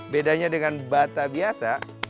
bedanya dengan bata biasa